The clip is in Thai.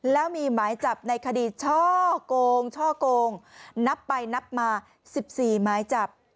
แล้วมีหมายจับในคดีช่อกงช่อโกงนับไปนับมา๑๔หมายจับ